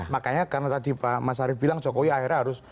makanya karena tadi pak mas arief bilang jokowi akhirnya harus